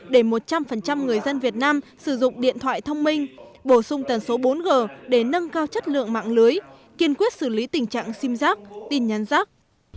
để một trăm linh người dân việt nam sử dụng điện thoại thông minh bổ sung tần số bốn g để nâng cao chất lượng mạng lưới kiên quyết xử lý tình trạng sim giác tin nhắn rác